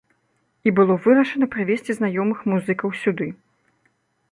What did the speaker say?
І было вырашана прывезці знаёмых музыкаў сюды.